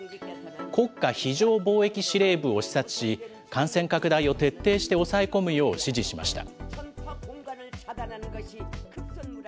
国家非常防疫司令部を視察し、感染拡大を徹底して抑え込むよう指示しました。